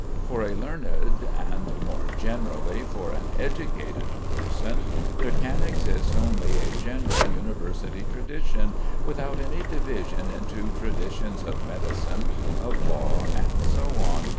For a learned, and more generally for an educated person there can exist only a general university tradition, without any division into traditions of medicine, of law, and so on.